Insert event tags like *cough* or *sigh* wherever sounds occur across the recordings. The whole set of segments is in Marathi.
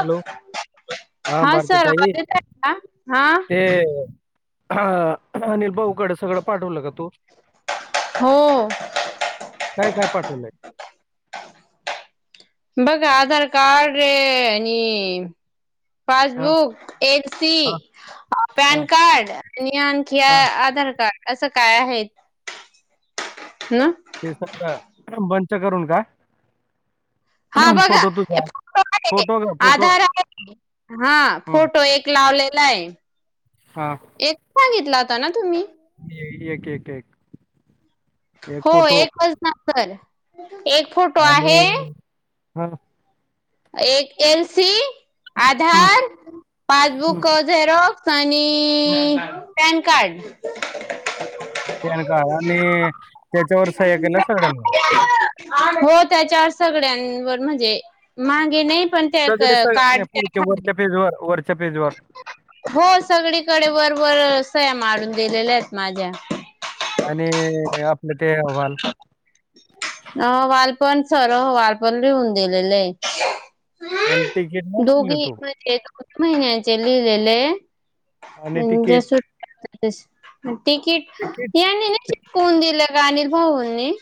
हॅलो हा भारती सर ताई आवाज येत आहे का हा ते हा हा अनिल भाऊकडे सगळं पाठवलं का तु? हो काय काय पाठवलंय? बघा आधार कार्ड रे आणि हा पासबुक, हा एलसी, हा पॅन कार्ड आणि नि आणखि हा आधार कार्ड असं काय आहेत न. ते सगळं बंच करून काय? हा बघा फोटो आहे, फोटो का फोटो आधार आहे, हा हम्म, फोटो एक लावले - - लायं. एक सांगितला होता ना तुम्ही? इ एक, एक, एक. एक हो. फोटो एकच ना तर एक फोटो आहे. होना. एक एलसी, हं, आधार, हं, पासबुक झेरॉक्स आणि पॅन कार्ड. पॅनकार्ड आणि से - - *unintelligible* हो त्याच्या सगळ्यांवर म्हणजे मागे नाही - - पण सगळे त्याच सगळे कार्ड पुढच्या *unintelligible* वरच्या पेजवर वरच्या पेजवर हो सगळीकडे वरवर - - सह्या मारून दिलेल्या आहेत माझ्या. आणि आपले ते अहवाल - - अहवाल पण सर अहवाल पण लिहून दिलेला आणि हैत. तिकीट नाही मागले दोघी तू म्हणजे - - महिन्याचे लिहिलेले आणि जे सुट्ट्या - - तिकीट तिकीट यांनी नाही चिकवून दिलं का अनिल भाऊंनी?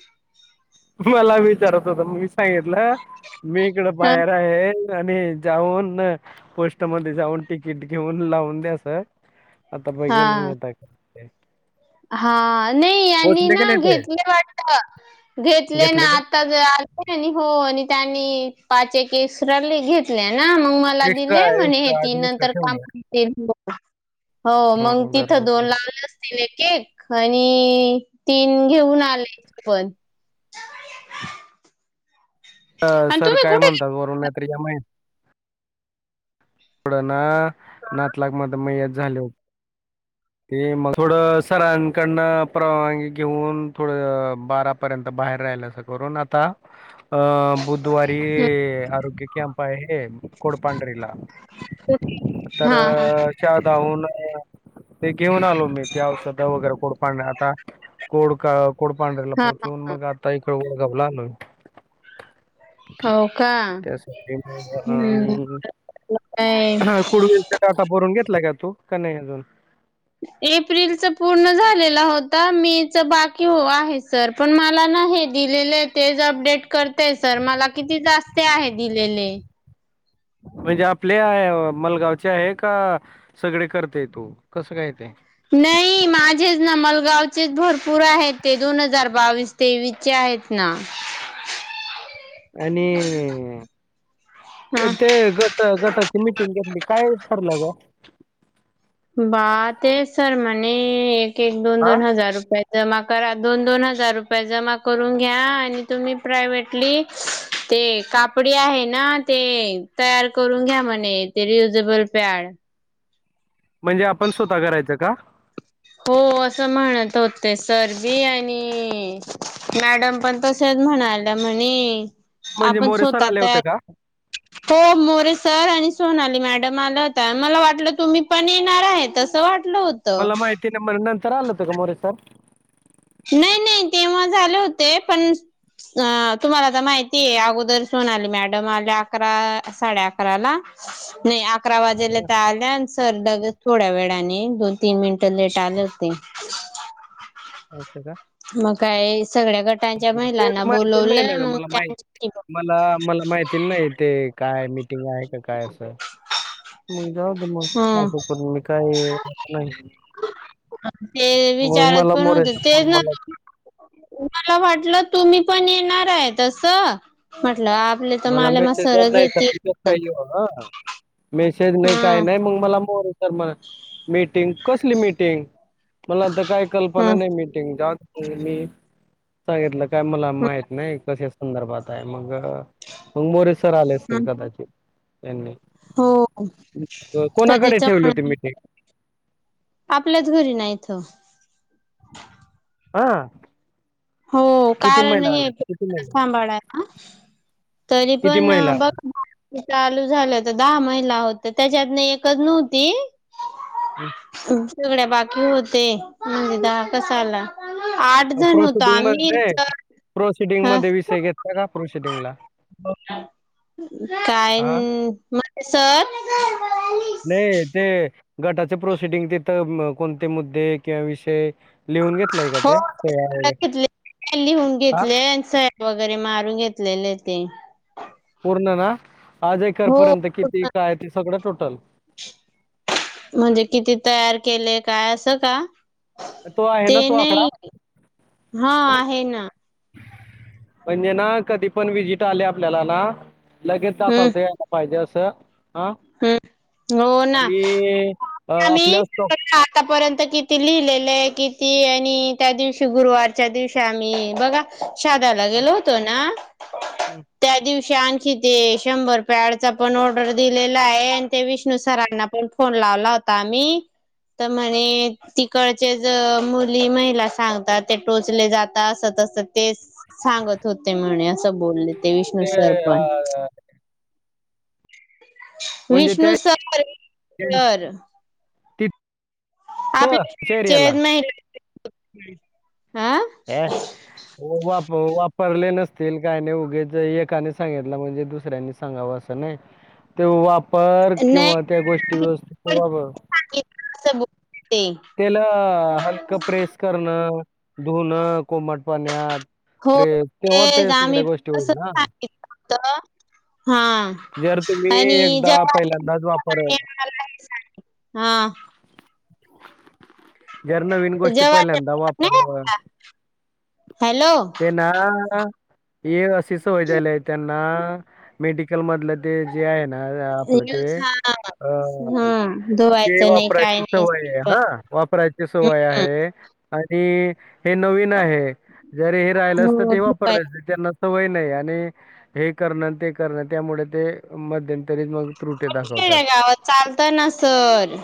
मला विचारत होत मी सांगितलं. मी इकडं बाहेर आहे - - आणि जाऊन पोस्ट मध्ये जाऊन तिकीट घेऊन लावून द्याच. आता बघेन हा मी हा नाही यांनी पोहोचले का ना नाही ते घेतले वाटत घेतले ना आता आलते यांनी आणि हो आणि त्यांनी पाच एक एक्स्ट्रा घेतल्या ना मग मला एक्स्ट्रा दिले म्हणे एक्स्ट्रा ती अजून एक्स्ट्रा नंतर काम ठेवूया हो मग हम्म तिथं दोन बरोबर लावलं असतील एक एक आणि तीन घेऊन आले पण अ आणि सर तुम्ही काय कुठे म्हणतात वरून या महिन्यात थोडं ना नातलक मध्ये मयत झाले होते. ते मग थोडं सरांकडन परवानगी घेऊन थोडं बारापर्यंत बाहेर राहिला असं करून आता अ बुधवारी आरोग्य कॅम्प आहे. हे कोडपांढरीला तर हा हा च्या धावून ते घेऊन आलो मी. त्या औषधा वगैरे कोड पाडणे आता कोड कोडपांढरेला हा हा पोहचून हा. मग आता इकड ओळगावला आलोय. हो का त्यासाठी हम्म आणि काय हा कुडवीलचा डाटा भरून घेतला का तू का नाही अजून? एप्रिल च पूर्ण झालेला होता. मे च बाकी आहे सर. पण मला नाही नाही हे दिलेले तेच अपडेट करतेय सर. मला किती जास्त आहे दिलेले. म्हणजे आपले मलगावचे आहे का सगळे करतेय तू कसं काय ते नाही माझेच ना मल- -गावचेच भरपूर आहेत. ते दोन हजार बावीस तेवीसचे आहेत ना. आणि हा ते गट गटाची मिटिंग घेतली काय ठरलं गं. बा ते आहे सर म्हणे एक एक दोन हा? दोन हजार रुपये जमा करा दोन दोन हजार रुपये जमा करून घ्या आणि तुम्ही प्रायव्हेटली ते कापडी आहे ना ते तयार करून घ्या म्हणे ते रियुजेबल पॅड म्हणजे आपण स्वतः करायचं का? हो असं म्हणत होते सरजी आणि मॅडम पण तसे म्हणाल्या म्हणे म्हणजे आपण मोरे सर स्वतः आले होते तयार का? हो मोरेसर आणि सोनाली मॅडम आल्या होत्या. मला वाटलं तुम्ही पण येणार आहे तसं वाट- मला माहिती नाही. मग नंतर आलतं का मोरे सर? नाही नाही तेव्हा झाले होते पण अ तुम्हाला आता माहिती आहे अगोदर सोनाली मॅडम आले अकरा साडे अकरा ला नाही अकरा वाजेला तर आल्या सर लगेच थोड्या वेळाने दोन तीन मिनट लेट आले होते. असे का? मग काय सगळ्या गटांच्या तेच महिलांना माहिती नाही ना बोलवलंय गं मग मला मा त्यांच्याशी ब- मला मला माहिती नाही ते काय मीटिंग आहे का काय असं मग जावू दे मग हं. असं करून मी काय नाही ते मग विचारत मला पण होते मोरेचा फोन तेच ना मला मला वाटलं तुम्ही पण येणार आहे तसं आपले तर मला माले मा मेसेज आला सरच नाही येतील तर काय येऊ मगं श नाही काय हं, नाही मग मला मोरे सर म्हणले मीटिंग कसली मीटिंग मला आता काय कल्पना हं, नाही मीटिंग जावू दे मी सांगितलं काय मला हं, माहित नाही कशा संदर्भात आहे मग मग मोरे सर आले असतील हं. कदाचित त्यांनी हो अ, कोणाकडे कधीच ठेवली होती म्हणतं मीटिंग होते आपल्याच घरी नाही इथं हा हो किती कारण महिला हे आल्या द किती महिला सांभाळाय ना तरी किती पण महिला बघ चालू झालं होत दहा महिला होत त्याच्यातन एकच नव्हती. हम् सगळ्या बाकी होते म्हणजे दहा कसाला आठ जण हो म रे प्रोसिडिंग मध्ये विषय घेतला का प्रोसिडिंगला काय हा म्ह सर नाही ते गटाच प्रोसिडिंग तिथं कोणते मुद्दे किंवा विषय लिहून घेतलाय का हो ते सह्या वगैरे घेतलं घेतलं लिहून हा घेतलय आणि सह्या वगैरे मारून घेतलेले ते ना आज एकर हो पर्यंत किती काय ते सगळं टोटल म्हणजे किती तयार केले काय असं का तो आहे ते ना तो नाही आकडा हा आहे ना म्हणजे ना कधी पण विजिट आले आपल्याला ना लगेच दाखवता यायला पाहिजे असं च हम् हो ना आणि अ, आम्ही आपल्या स्टॉक आतापर्यंत किती लिहिलेलं आहे किती आणि त्या दिवशी गुरुवारच्या दिवशी आम्ही बघा शोधायला गेलो होतो ना हम् श आणखी ते शंभर पॅडचा पण ऑर्डर दि आहे आणि ते विष्णू सरांना पण फोन लावला होता आम्ही तर म्हणे तिकडचेच मुली महिला सांगतात ते टोचले जातं अस तस ते सांगत होते म्हणे असं बोलले ते विष्णू सर पण म्हणजे विष्णु त्या सर सर तिथं आपल्या एरियाला महिला हा वापरले नसलं फेल काय नाही उगाच एकाने सांगितलं म्हणजे दुसऱ्यांनी सांगावं असं नाही ते वा फार नाही किंवा त्या गोष्टी व्यवस्थित राबव सब त्याला हलकं प्रेस करणं धुणं कोमट पाण्यात हो प्रेम तेव्हा ते सगळ्या गोष्टी होईल ना का हा जर तुम्ही आणि एकदा जेवा पहिल्यांदाच वापर हा जर नवीन ते गोष्टी जेव्हाचे पहिल्यांदा नाही वापरल्या का हॅलो ते ना ये अस अशी सवय झाली आहे त्यांना मेडिकल मधलं ते जे आहे ना आपलं ते न्यूज हा ह हम्म ते धुवायचं नाही काय वापरायची नाही सवय आहे हा वापरायची सवय आहे आणि हे नवीन आहे जर हे राहिलं असत हो ते वापरलं त्यांना नाही आणि हे करण ते करण त्यामुळे ते मध्यंतरी मग त्रुटी दाखवतात. गावात चालतं ना सर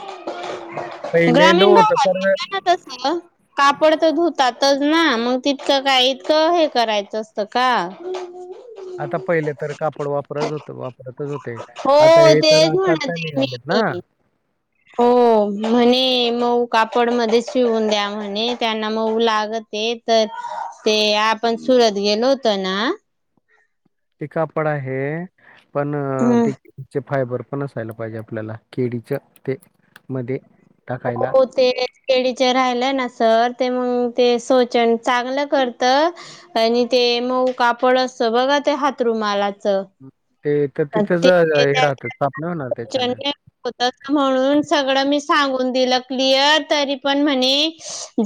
पहिले ग्रामीण नव्हतं भागात तर ना तस कापड तर धुतात ना मग तितकं काय इतकं हे करायचं असत का आता पहिले तर कापड वापर होत वापरतच होते हो आता हे तर तेच आता आता म्हणते निघालेत ना मी हो म्हणे मऊ कापड मध्ये शिवून द्या म्हणे त्यांना मऊ लागते तर ते आपण सुरत गेलो होत ना ती कापड आहे पण हम्म ती फायबर पण असायला पाहिजे आपल्याला केडीच ते मध्ये टाकायला. हो तेच केळीचे राहिलाय ना सर ते मग ते सोचन चांगलं करत आणि ते मग कापड बघा ते हाथरूमालाचं ते तर तिथं ज ते हे राहतं ताप नाही होणार त्याच्याने होत म्हणून सगळं मी सांगून दिलं क्लिअर तरी पण म्हणे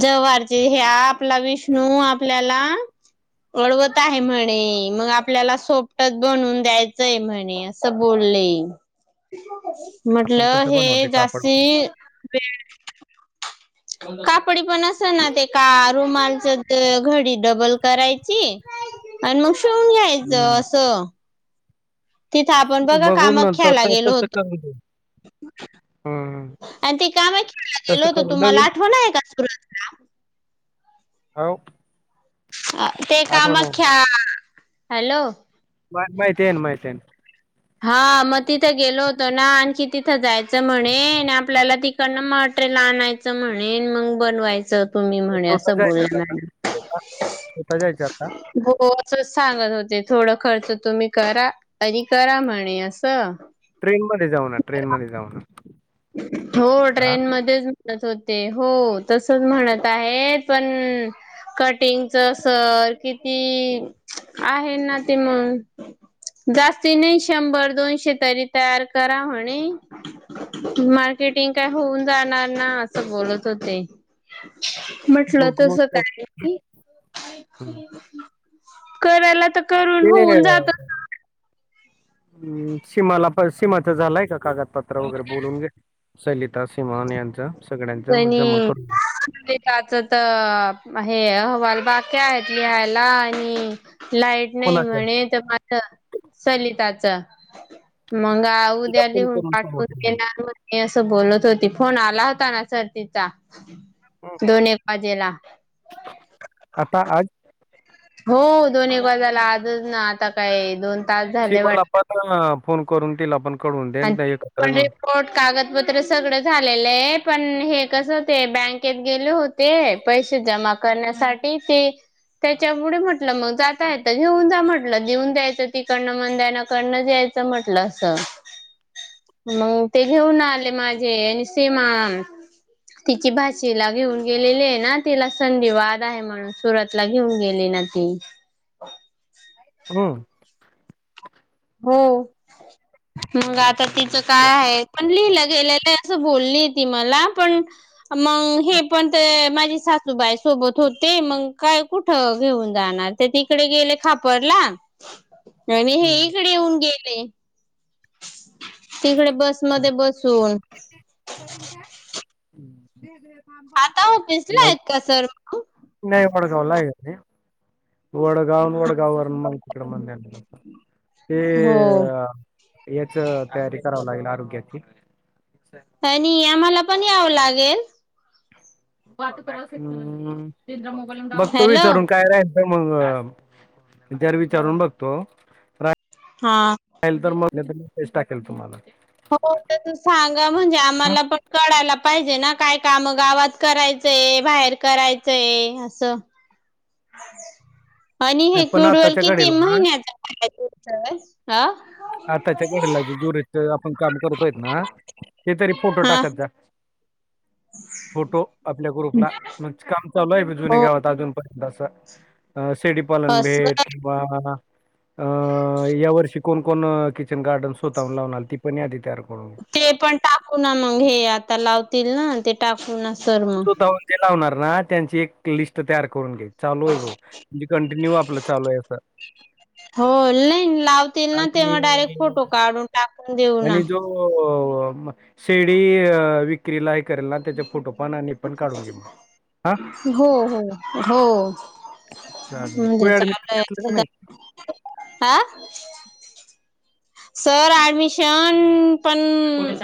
जवळचे हे आपला विष्णू आपल्याला अडवत आहे म्हणे मग आपल्याला सोपटच बनून द्यायच य म्हणे असं बोलले आपण म्हटलं कसं हे बनवू ते कापड जास्ती वेळ कापडी पण अस ना ते का. क म यायचं हम्म असं तिथं आपण बघा बघू ना तर कामाख्याला तर गेलो तसं करू दे होतो हम्म. आणि ते काम खेला गेलो तसं होत करू तुम्हाला नवीन आठवण आहे का सुरातला हो अ ते आठवण आहे. कामाख्या हॅलो मा माहितीयन माहिितयन हा मग तिथं गेलो होतो ना आणखी तिथं जायचं म्हणे आपल्याला तिकडनंट ला आणयचं म्हणेन मग बनवायचं तुम्ही म्हणे अस स्वतः बोल जायचं का आता स्वतः स्वतः जायचं आता हो सांगत होते थोड खर्च तुम्ही करा आणि करा म्हणे असं ट्रेन मध्ये जाऊ ना ट्रेन मध्ये जाऊ ना हो हा ट्रेन मध्येच होते हो तसच म्हणत आहे पण कटिंगच सर किती आहे ना ते मग जास्ती नाही शंभर दोन शेेतरी तयार करा म्हणे मार्केटिंग काय होऊन जाणार ना असं बोलत होते म्हटलं बघ तस मग काय हम्म. करायला तर करून ते होऊन जात हम् सीमाला पण सीमाच झालाय का कागदपत्र वगैरे बोलून घे सलिता सिमान यांचा कनीच तर हे अहवाल बाक्या आहेत लिहायला आणि लाईट नाही कोणाचं म्हणे तर माझ चलिताच मग तिला उद्या फोन लिहून करून सांगू पाठवून ते मग. घणार म म असं बोलत होती फोन आला होता ना सतीचा दोन पाजेला आता आज हो दोन एक बाजाला आजच ना आता काय दोन तास श झाले बल फोन करून तला आपण आणि पण रिपोर्ट कागदपत्र सगळं झालेलं आहे पण हे कसं ते बँकेत गेले होते पैसे जमा करण्यासाठी ते त्याच्यामुळेढ म्हटलं मग जाता येत घेऊन जा म्हटलं जेऊन जायचं तीिकडनं मन दय ना कडनं जायचं म्हटलं अस मग ते घेऊन आले माझे आणि सीमा तिची भाषला घेऊन गेलेली आहे ना तिला संधी वाद आहे म्हणून सुरतला घेऊन गेलेली न हम हो मंग आता तिचं हं, तर काय आहे ब म पण म पण मा सासूबाई सोबत होते मग काय कुठ घेऊन जाणार ते तिकडे गेले खापरला आणि हे हं. इकडे येऊन गेले तिकडे बस मध्ये बसून करन का आता ऑफिसला आहेत का सर मग? नाही वडगावला आहे वडगाव वडगाववर मातीिकड म ते हो. अ याच तयारी कराव लागेल आरोग्याची आणि आम्हाला पण यावं लागेल रांदल बघतो हॅलो विचारून काय राही मग ज विचारून बघतो. हा. ल तर मग टाकेल तुम्हाला हो तर तू सांगा म्हणजे आम्हाला हं, पण कळायला पाहिजे ना काय काम गावात करायचंय बाहेर करायचंय असं आणि हे पण कुडवल आत्ताच्या किती घडीला ना, महिन्यात य हा आताच्या गड्याला जुरे आपण काम करतोय ना हे तरी फोटो हा टाकत द्या फोटो आपल्या ग्रुपला म्हण काम चालू आहे मी जुने हो घ्यावत अजून पर्यंत असं *unintelligible* शेडीपालन भेट असं किं वर्ष कोण कोण किचन गार्डन सुवतावून लावणार त पण आध त्या ते पण टाकू ना मग हे आता लावतील ना ते टाकू ना सर मग स्वतःहून जे लावणार ना त्यांची एक लिस्ट तयार करून घ्याची चालू आहे म्हणजे कंटिन्यू आपलं चालू आहे असं हो नाही लावतील ना आणि तेव्हा डायरेक्ट फोटो काढून टाकून देऊ ना शेडी विक्रीला हे करेल ना त्याच्या फोटो पण आणि पण काढून घे मग हा हो हो हो चालेल मज तू ऍडमिशन घेतलं का नाही चाल आा सर ऍडमिशन पण